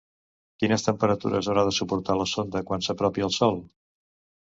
Quines temperatures haurà de suportar la sonda quan s'apropi al sol?